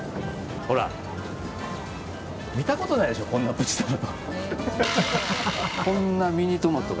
ほら、見たことないでしょこんなプチトマト。